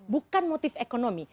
bukan motif ekonomi